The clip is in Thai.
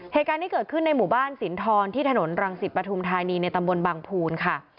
เหตุการณ์ที่เกิดขึ้นในหมู่บ้านสินทรที่ถนนรังสิตปฐุมธานีในตำบลบางภูนค่ะ